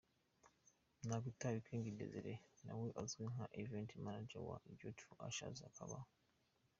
na guitar, King Desire nawe uzwi nka Event Manager wa Beauty for Ashes, akaba.